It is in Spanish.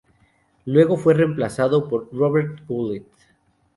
Luego fue reemplazado por Robert Goulet.